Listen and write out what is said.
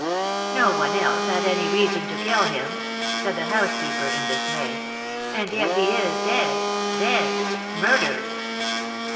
"No one else had any reason to kill him," said the housekeeper in dismay, "and yet he is dead dead murdered.